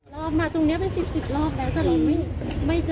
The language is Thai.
รอบมาตรงนี้เป็น๑๐รอบแล้วแต่เราไม่เจอ